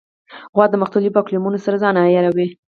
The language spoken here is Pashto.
غوا د مختلفو اقلیمونو سره ځان عیاروي.